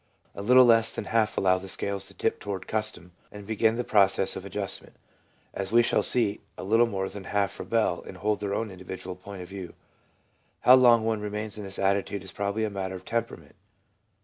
A little less than half allow the scales to tip towards custom and begin the process of adjustment, as we shall see ; a little more than half rebel and hold their own individual point of view. How long one remains in this attitude is probably a matter of tempera ment.